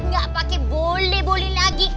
gak pakai boleh boleh lagi